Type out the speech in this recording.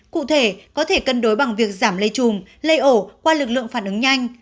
cụ thể có thể cân đối bằng việc giảm lây chùm lây ổ qua lực lượng phản ứng nhanh